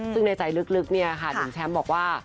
ซึ่งในใจลึกเนี่ยค่ะหนุ่มแชมป์บอกว่า